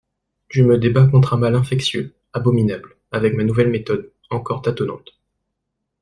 «Je me débats contre un mal infectieux, abominable, avec ma nouvelle méthode, encore tâtonnante.